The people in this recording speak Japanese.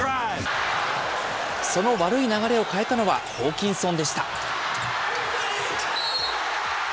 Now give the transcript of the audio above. その悪い流れを変えたのは、ホーキンソンでした。